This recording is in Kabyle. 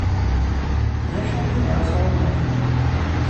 D acu i tebɣa sɣur-neɣ?